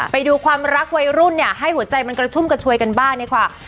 ไปดูความรักวัยรุ่นเนี่ยให้หัวใจมันกระชุ่มกระชวยกันบ้างดีกว่า